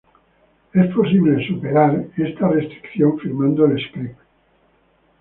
Es posible "superar" esta restricción firmando el script.